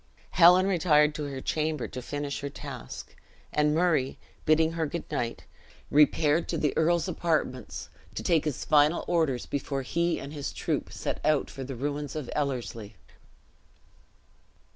Helen retired to her chamber to finish her task; and Murray, bidding her good night, repaired to the earl's apartments, to take his final orders before he and his troop set out for the ruins of Ellerslie.